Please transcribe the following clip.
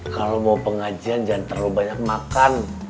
kalau mau pengajian jangan terlalu banyak makan